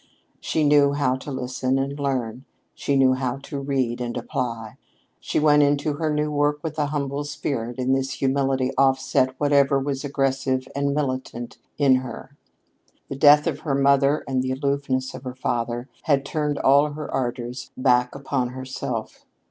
She knew how to listen and to learn; she knew how to read and apply. She went into her new work with a humble spirit, and this humility offset whatever was aggressive and militant in her. The death of her mother and the aloofness of her father had turned all her ardors back upon herself.